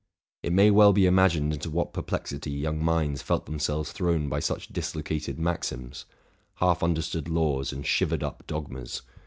It may well be imagined into what perplexity young minds felt themselves thrown by such dislocated maxims, half understood laws, and shivered up dogmas.